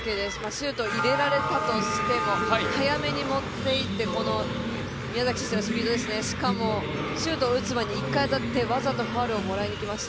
シュートを入れられたとしても早めに持っていって、宮崎選手のスピードですねしかも、シュートを打つ前に１回当たってわざとファウルをもらいにきました。